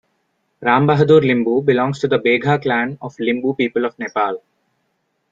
Rambahadur Limbu belongs to the Begha Clan of Limbu people of Nepal.